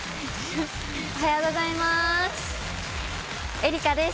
おはようございます。